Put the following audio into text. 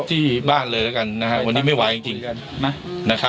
ที่บ้านมันไม่ไหวจริง